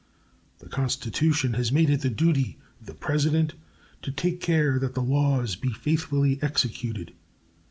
The Constitution has made it the duty of the President to take care that the laws be faithfully executed.